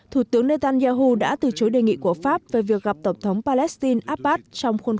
thủ tướng netanyahu đã từ chối đề nghị của pháp về việc gặp tổng thống palestine abbas trong khuôn